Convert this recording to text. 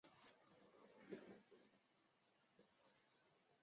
它以有时不变红就成熟而得名。